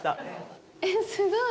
えっすごい！